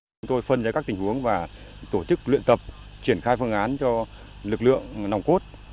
chúng tôi phân giới các tình huống và tổ chức luyện tập triển khai phương án cho lực lượng nòng cốt